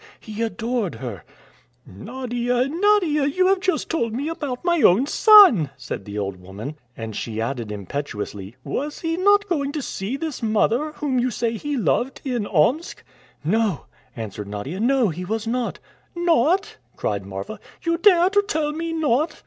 He adored her." "Nadia, Nadia, you have just told me about my own son," said the old woman. And she added impetuously, "Was he not going to see this mother, whom you say he loved, in Omsk?" "No," answered Nadia, "no, he was not." "Not!" cried Marfa. "You dare to tell me not!"